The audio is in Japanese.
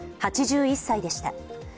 ８１歳でした。